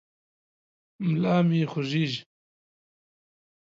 ملا مې خوږېږي.